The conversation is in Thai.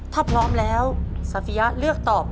ถ้าพร้อมแล้วทรัฟเฟียเลือกตอบ